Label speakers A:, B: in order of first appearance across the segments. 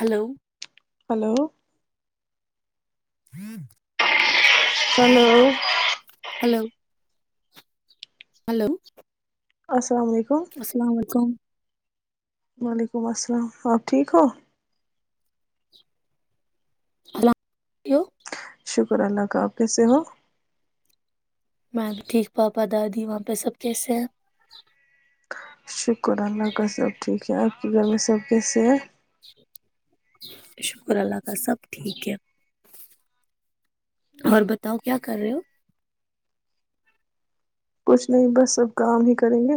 A: hello [unintelligible]
B: hello
A: رد
B: hello
A: [unintelligible] hello hello
B: ا [unintelligible]
A: السلام علیکم
B: وعلیکم السلام آپ ٹھیک ہو
A: کیوں [unintelligible]
B: شکر اللہ کا آپ کیسے ہو
A: میم ٹھیک پاپا دادی وہاں پہ سب کیسے ہیں
B: شکر اللہ کا سب ٹھیک کہ آپ کے گھر میں سب کیسے ہیں
A: شکر اللہ کا سب ٹھیک ہے اور بتاؤ کیا کر رہے ہو
B: کچھ نہیں بس سب کام ہی کریں گے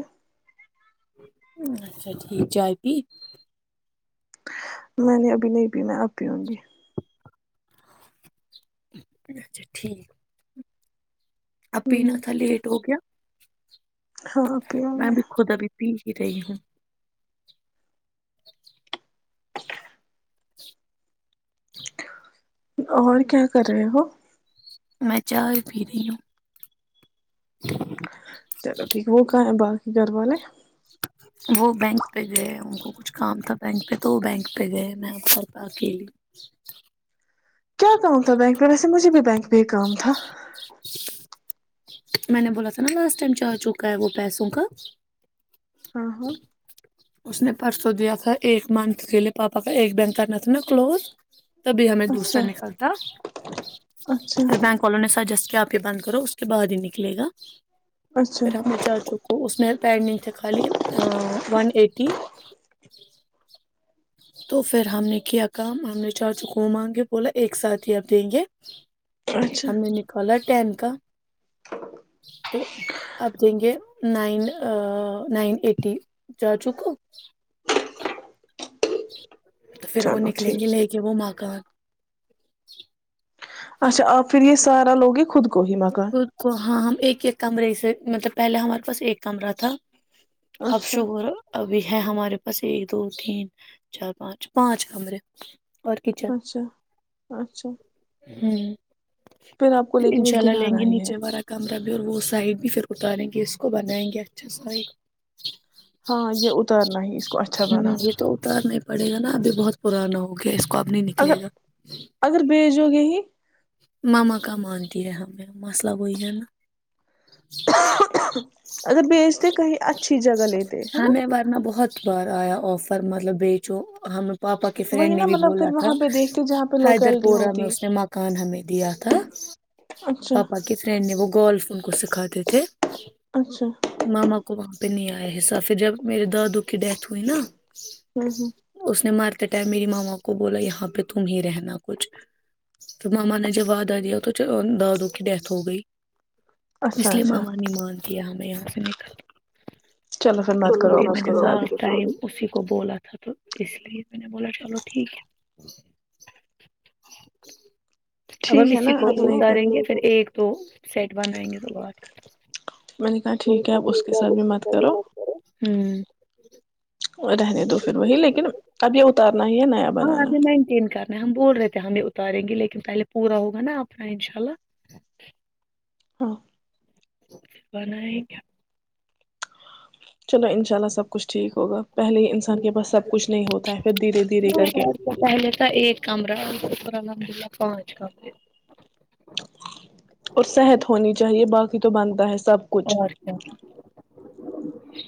A: اچھا ٹھیک ج آفی
B: میں نہیں ابھی نہیں بھی میں اب پی ہوںں گی
A: اچھا ٹھیک اب بھی نہ تھا لیٹ ہو گیا
B: ہاں پیوں
A: [inaudible] میں
B: گی
A: بھی خوودا بی پی رہی ہے [inaudible] [unintelligible]
B: اور کیا کر رہے ہو
A: میں چائے پی رہی ہوں [inaudible]
B: چلو ٹھیک ہے وہ کہ ہے بس گھر وال والے
A: وہ بینک پہ گئے ان کو کچھ کام تھا بینک پہ تو وہ بینک پہ گئے میں آ کرتا اکیلی
B: کیا کہن تھا بینک ر بس سے مجھے بھی بینک پ کام تھا
A: میں نے بولا تھا نا لاسٹ ٹائم چ آ چکا ہے وہ پیسوں کا
B: ہاں ہاں
A: اس نے پرسوں دیا تھا ایک منتھ کے لیے پاپا کا ایک بینک کرنا تھا نا کلوز تبھی ہمیں
B: اچھا
A: دوسرا نکلتا
B: اچھا
A: پھر بینک والوں نے سجسٹ کیا بند کرو اس کے بعد ہی نکلے گا
B: اچھا
A: پھر ہم نے چاچوں کو اس میں پیر نہیں تھے خالی ا ون ایٹ ج تو پھر ہم نے کیا کام ہم نے چار چکووں مانگے بولا ایک ساتھھی اب دیں گے
B: اچھا
A: ہم نے نکالا ٹین کا [unintelligible] تو آپ دیں گے نائن نائن ایٹی جا چوکو جی تو پھر وہ
B: چلو
A: نکلیں گے
B: ٹھیک
A: لے
B: ہے
A: کے وہ مکان جی
B: اچھا آپ پھر یہ سارا لگ ہی خود کو ہی مکان
A: خود کو ہاں ہم ایک کمرے سے مطلب پہلے ہمارے پاس ایک کمرہ تھا اب
B: اچھا
A: شکر ابھی ہے ہے ہمارے پاس ایک دو تین چار پانچ پانچ کمرے اور کچن
B: اچھا اچھا پھر آپ کو لے کےن ایک گرانا
A: یہ
B: ہی ہے
A: نیچے والا کمر اور وہ سائڈ بھی پھر اتاریں گے اس کو بنائیں گے اچھا سائ
B: ہاں یہ اترنا ہی اس کو اچھا
A: ہوں
B: بنانا
A: یہ تو اتارنا ہی پڑے گا نا ابھی بہت پرانا ہو گیا اس کب نہیں نکلے گا
B: جو گے ہی
A: ماما کا مانتی ہے ہمیں مسئلہ وہی ہے نا
B: اگر بیچتے [unintelligible] اچھی جگہ لیتے ہے
A: ہاں
B: نا
A: میں مارنا بہت خبار آیا آفر مطلب بی چ ہم پاپا کی
B: وہی
A: فرینڈ
B: نا
A: نے بھی
B: مطلب پھر
A: بولا تھا
B: وہاں پہ دیکھتے جہاں پہ
A: حیدر
B: لوکیلٹی
A: پورہ میں
B: ہوتی
A: اس نے مکان ہمیں دیا تھا
B: اچھا
A: پاپا کی فرینڈ نے وہ گولفن کو سکھاتے تھے
B: اچھا
A: ماما کو نہیں آئے حصہ پھر جب میرے دادو کو کی ڈیتھ ہوئی نا
B: ہ ہ
A: اس نے مار ٹائم میری ماما کو بولا یہاں پہ تم ہی رہنا کچھ تو ماما نے جب وعدہ دیا تو دادو کی ڈیتھ ہو گئی
B: اچھا
A: اس لیے
B: اچھا
A: ماما نہیں مانتی ہم ب یہاں سے ن کل
B: چلو پھر مت کرو
A: کی
B: آپ اس کے
A: میں
B: ساتھ بھی
A: لاس ٹائم اسی کو بولا تھا تو اس لیے میں نے بولا چلو ٹھیک ہے اب ہم
B: ٹھیک ہے نا
A: اسی کو
B: اب نہیں
A: اتاریں
B: کرو
A: گے پھر ایک دو سیٹ بنائ گے ر
B: میں نے کہا ٹھیک ہے اب اس کے ح ساتھ مت کرو
A: بھی ہ [unintelligible]
B: رہنے دو پھر وہی لیکن اب یہ اتارنا ہی یا نیا
A: ہاں
B: بنانا
A: ابھی مینٹین کرنا ہم بول رہے تھے ہمیں اتاریں گے لیکن پہلے پورا ہوگا نا اپنا انشاء اللہ
B: ہاں
A: بن کیا
B: چلو انشاء اللہ سب کچھ ٹھیک ہوگا پہلے ہی انسان کے پاس سب کچھ نہیں ہوتا ہے پھر دھیرے دھیرے کر کے
A: پہلے تھا ایک کمرہ الحمدلہ پانچ کمرے
B: اور صحت ہونی چاہیے باقی تو بنتا ہے سب کچھ
A: اورھا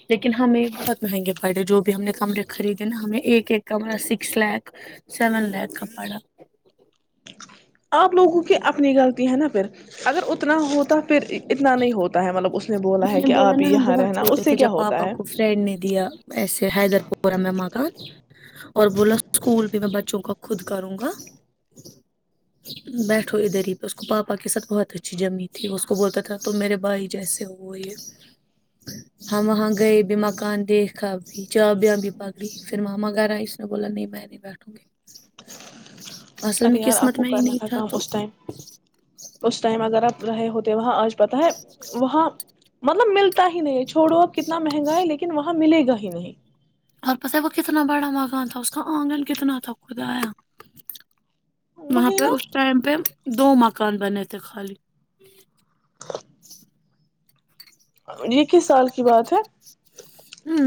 A: لیکن ہمیں بہت مہنگے پڑے جو بھی ہم نے کمرے خریدے نا ہمیں ایک ایک کمرہ سکس لاکھ سیون لاکھ کا پڑا
B: آپ لوگوں کی اپنی غلطی ہے نا پھر اگر اتنا ہو تو پھر اتنا نہیں ہوتا ہے مطلب اس
A: میں
B: ہے
A: نے
B: کہ
A: بولا
B: آپ
A: نا ہم
B: یہاں
A: بہت
B: رہنا
A: چھوٹے
B: اس سے
A: تھے
B: کیا
A: جب
B: ہوتا
A: پاپا
B: ہے
A: کو فرینڈ نے دیا ایسے حیدر پور میں ماں کا اور بولا اسکول بھی میں بچوں کو خود کروں گا بیٹھو ادھر ہی پہ اس کو پاپا کے ساتھ بہت اچھی جمی تھی اس کو بولتا تھا تم میرے بھائی جیسے ہو وہ یہ ہم وہاں گئے بھی مکان دیکھا بھی جا بھی بھی پکڑی پھر ماما کہہ رہا اس نے بولا نہیں میں نہیں بیٹھوں گی اصل
B: ارے
A: میں
B: یار آپ
A: قسمت
B: کو
A: میں ہی
B: کرنا
A: نہیں
B: تھا کام
A: تو
B: اس ٹائم اس ٹائم اگر آپ رہے ہوتے وہاں آج پتا ہے وہاں مطلب ملتا ہی نہیں ہے چھوڑو اب کتنا مہنگا ہے لیکن وہاں ملے گا ہی نہیں
A: اور پت وہ کتنا بڑا مکان تھا اس کا آنگن کتنا تھا خود آیا وہاں
B: وہی
A: پہ
B: نا
A: اس ٹائم پہ دو مکان بنے تھے خالی
B: جی اس سال کی بات ہے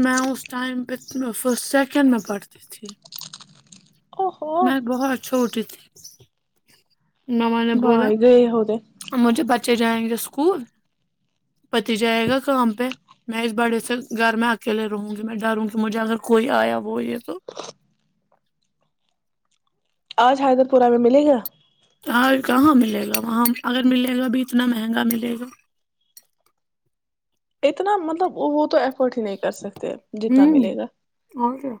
A: میں اس ٹائم پہ فسٹ سیکنڈ میں پڑھتی تھی
B: او ہو
A: میں بہت چھوٹی تھی مما نے
B: ب
A: بولا
B: اگ ہود
A: مجھے بچے جائیں گے اسکول پتی جائے گا کام پہ میں اس بڑے سے گھر میں اکیلے رہوں گی میں ڈروں گی مجھے اگر کوئی آیا وہ یہ تو
B: آج حیدر پورہ میں ملے گا
A: اں کہاں ملے گا وہاں اگر ملے گا اب اتنا مہنگا ملے گا
B: اتنا مطلب وہ تو ہے فٹ ہی نہیں کر سکتے جتنا
A: ہوں
B: ملے گا
A: اور کیا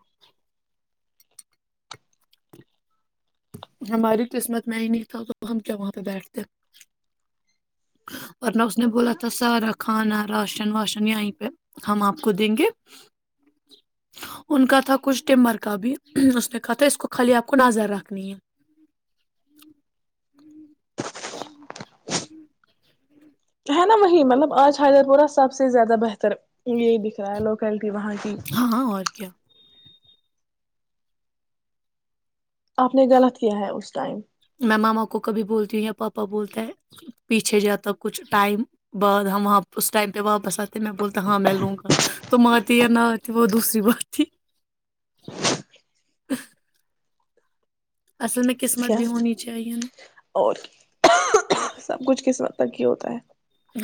A: ہماری قسمت میں ہی نہیں تھا تو ہم کیا وہاں پہ بیٹھتے ورنہ اس نے بولا تھا سارا کھانا راشن واشن یہیں پہ ہم آپ کو دیں گے ان کا تھا کچھ ٹمبر کا بھی اس نے کہا تھا اس کو خالی آپ کو نظر رکھ سکھنی ہے ہوں
B: ہے نا وہی مطلب آج حیدر پورہ سب سے زیادہ بہتر یہی دکھ رہا ہے لوکیلٹی وہاں کی
A: ہاں اور کیا
B: آپ نے غلط کیا ہے اس ٹائم
A: میں ماما کو کبھی بولتی ہوں یا پاپا بولتا ہے پیچھے جاتا کچھ ٹائم بعد ہم اس ٹائم پہ واپس آتے میں بولتا ہاں میں لوں گا تم آتے یا نہ آتی وہ دوسری بات تھی اصل میں قسمت
B: کیا
A: بھی ہونی چاہیے نا
B: اور سب کچھ کس وت تک کی ہوتا ت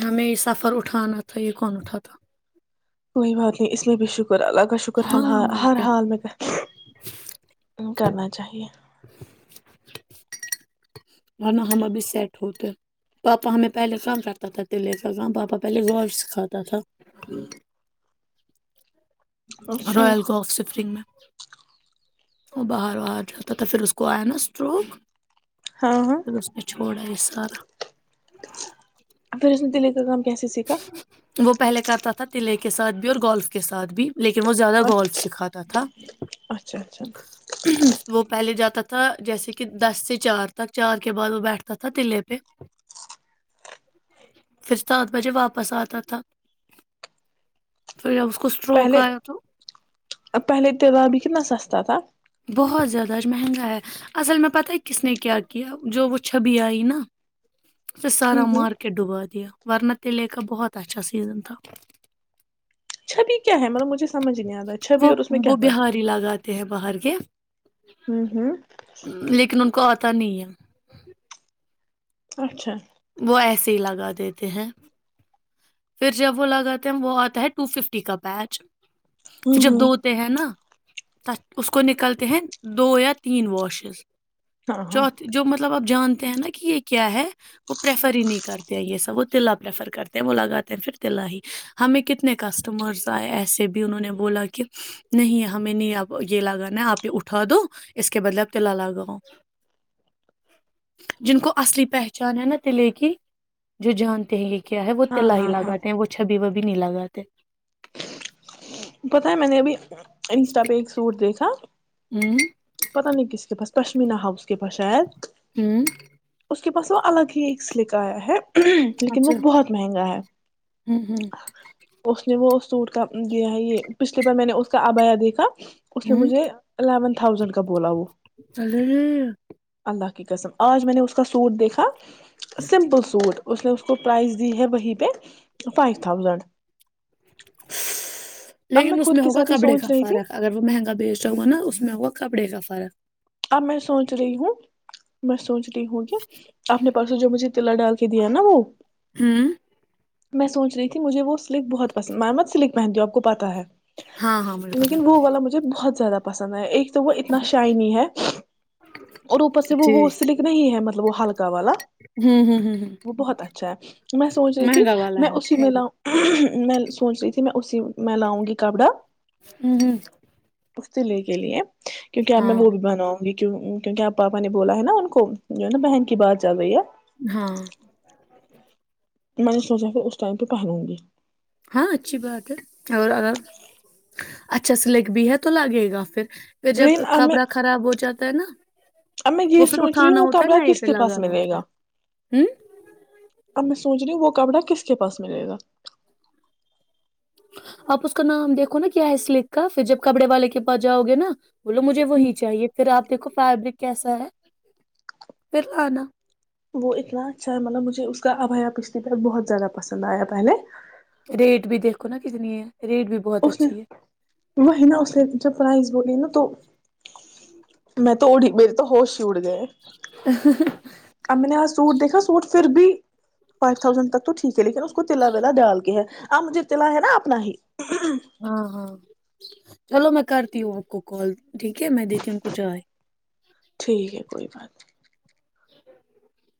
A: ہمیں یہ سفر اٹھانا تھا یہ کون اٹھاتا
B: کوئی بات نہیں اس لیے بھی شوک شکر اللہ کا شکر
A: ہاں
B: ہ
A: اور
B: ہر
A: کیا
B: حال میں کرنا چاہیے
A: اور ن ہم ابھی سیٹ ہوتے پاپا ہمیں پہلے کام کرتا تھا تلے کا کہم پاپا پہلے گول س کھاتا تھا
B: اچھا
A: رائل کوف سفرنگ میں وہ بہر واہر جو پھر اس کوئین س اسٹروگ
B: ہاں ہاں
A: پ اس نے چھوڑا ا سار
B: پھر اس د لے کا کام کیسے سیکھا
A: وہ پہلے کرتا تھا تلعے کے ساتھ بھی اور گولف کے ساتھ بھی لیکن وہ زیادہ گولف سکھاتا تھا
B: اچھا اچھا
A: وہ پہلے جاتا تھا جیسے کہ دس سے چار تک چار کے بعد وہ بیٹھتا تھا تلے پہ پھر بجے واپس آتا تھا پھر کو اسٹروک
B: پہلے
A: آیا تو
B: ا پہلے تہوار بھی کنا سستا تھا
A: بہت زیادہ آج مہنگا ہے اصل میں پتہ ہے کس نے کیا کیا جو وہ چھبی آئی نا سھ
B: ہ
A: سارا
B: ہ
A: مارکیٹ ڈبا دیا ورنہ تلے کا بہت اچھا سیزن تھا
B: چھبی کیا ہے مطلب مجھے سمجھ نہیں آتا ہے چھبی
A: وہ
B: اور اس میں کیا
A: وہ
B: فات
A: بہاری لگاتے ہیں باہر ہ لیکن ان کو تنییہ
B: اچھا
A: وہ ایسے ہی لگا دیتے ہیں پھر جب وہ لگاتے ہیں وہ آتا ہے ٹو ففٹی کا پچ پھر
B: ہوں
A: جب دو
B: ہوں
A: ہوتے ہیں نا ت اس کو نکلتے ہیں دو یا تین واشز
B: ہاں ہاں
A: چوت جو مطلب ابھی جانتے ہیں نا کہ یہ کیا ہے وہ پریفر ہی نہیں کرتے یہ سب وہ تلا پریفر کرتے ہیں وہ لگاتے ہیں پھر تلا ہی ہمیں کتنے کسٹمرس آئے ایسے بھی انہوں نے بولا کہ نہیں ہمیں نہیں اب یہ لگانا ہے آپ یہ اٹھا دو اس کے بدلے اپ تلا لگاؤ جن کو اصلی پہچان ہے نا لے کے جو جانتے ہیں یہ کیا ہے وہ
B: ہاں
A: تلا ہی
B: ہاں ہاں
A: لگاتے ہیں وہ چھبی و بھی نہیں لگا تھے
B: پتا ہے میں نے ابھی انسٹا پہ ایک سوٹ دیکھا
A: ہوں
B: پتا نہیں کس کے پاس پشمینہ ہا اس کے پاس شاید
A: ہوں
B: اس کے پاس وہ الگ ہی ایک سلک آیا ہے لیکن وہ
A: اچھا
B: بہت مہنگا ہے
A: ہوں ہوں
B: اس نے وہ اس سوٹ کا دیا ہے یہ پچھلیے بار میں نے اس کا آبایا دیکھا اس نے
A: ہوں
B: مجھے الیون تھاؤنڈ بولا وہ
A: ارے
B: اللہ قسم آج میں نے اس کا سوٹ دیکھا سمپل سوٹ اس نے اس کو پرائز دی ہے وہیں پہ فائیو تھاؤزنڈ اب
A: لیکن اس
B: خود
A: میں
B: کے
A: ہوگا
B: ساتھ ہی
A: کپڑے
B: سوچ
A: کا
B: رہی تھی
A: فرق اگر وہ مہنگا بیچتاا ہو گا نا اس میں ہوگا کپڑے کا فرق فرق [inaudible]
B: اب میں سوچ رہی ہوں میں سوچی ہوں کہ اپنے پرسوں جو مجھے تلا ڈال کے دیا نا وہ
A: ہاں
B: میں سوچ رہی تھی مجھے وہ سلک بہت پسند میںمت سلک پہنتی ہوں آپ کو پتا ہے
A: ہاں ہاں مجھے پتا
B: لیکن
A: ہے
B: وہ والا مجھے بہت زیادہ پسند ایک تو وہ اتنا شائنی ہے اور اوپر سے وہ وہ
A: ٹھیک
B: سلک نہیں ہے مطلب وہ ہلکا والا
A: ہوں ہوں ہوں ہوں
B: وہ بہت اچھا ہے میں سوچ رہی تھی
A: مہنگا والا
B: میں
A: ہے
B: اسی میں لاؤں میں سوچ رہی تھی میں اسی میں لاؤں گی کپڑا
A: دو [inaudible]
B: تختلی کے لیے [inaudible] کیونکہ اب میں وہ بھی بناؤں گی کیونکہ آپ پاپا نے بولا ہے نا ان کو جو ہے نا بہن کی بات چل رہی ہے
A: ہاں
B: میں نے سوچا پھر اس ٹائم پہ پہروں گی
A: ہاں اچھی بات ہے اور اگر اچھا سلیک بھی ہے تو لگے گا پھر پھر جب
B: لیکن اب میں
A: کپڑا خراب ہو جاتا ہے نا
B: اب میں یہ
A: وہ پھر
B: سوچ رہی ہوں
A: اٹھانا
B: وہ
A: ہوتا ہے
B: کپڑا
A: نا یہ
B: کس
A: پہ
B: کے پاس
A: لگانا
B: ملے
A: ہوتا
B: گا
A: ہے ہ
B: اب میں سوچ رہی ہوں وہ کپڑا کس کے پاس ملے گا
A: آپ اس کا نام دیکھو نا کیا ہے اسلیک کا پھر جب کپڑے والے کے پاس جاؤ گے نا بولو مجھے وہی چاہیے پھر آپ دیکھو فیبرک کیسا ہے پھر لا
B: وہ اتنا اچھا ہے مطلب مجھے اس کا ابھیا پشتی پہ بہت زیادہ پسند آیا پہلے
A: ریٹ بھی دیکھو نا کتنی ہے ریٹ بھی بہت
B: اس نے
A: اچھی ہے
B: وہی نا اس نے جو پرائز ب نا تو میں تو اڑی میرری تو ہوش
A: ا
B: ام نے آ سوٹ دیکا سوٹ پھر بھی فائیو تھاؤزڈ تک تو ٹھیک ہے لیکن اس کو تلا ویلا ڈال کے ہے اب مجھے تلا ہے نا اپنا ہی
A: ہاں ہاں چلو میں کرتی ہوں آپ کو کال ٹھیک ہے میں دیکتیوں کچھ آئے
B: ٹھیک ہے کوئی بات نہیں
A: ھم